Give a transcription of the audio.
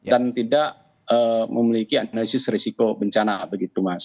dan tidak memiliki analisis risiko bencana begitu mas